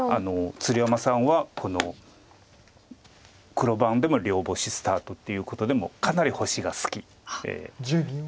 鶴山さんはこの黒番でも両星スタートっていうことでかなり星が好きっていう。